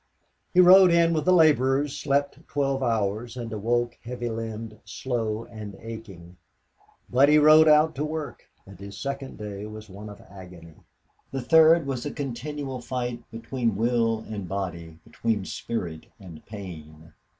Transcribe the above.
He rode in with the laborers, slept twelve hours, and awoke heavy limbed, slow, and aching. But he rode out to work, and his second day was one of agony. The third was a continual fight between will and body, between spirit and pain.